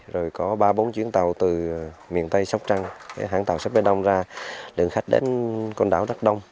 rồi có ba bốn chuyến tàu từ miền tây sóc trăng hãng tàu xếp bên đông ra lượng khách đến côn đảo rất đông